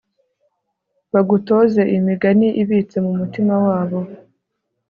bagutoze iyi migani ibitse mu mutima wabo